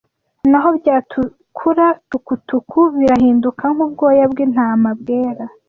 naho byatukura tukutuku birahinduka nk’ubwoya bw’intama bwera